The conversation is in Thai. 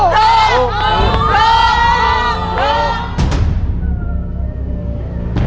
ถูก